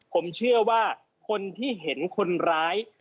ผมเชื่อว่าคนที่เห็นคนร้าย